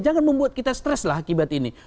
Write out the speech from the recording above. jangan membuat kita stres lah akibat ini